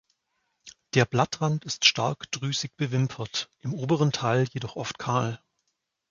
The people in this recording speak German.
Der Blattrand ist stark drüsig bewimpert, im oberen Teil jedoch oft kahl.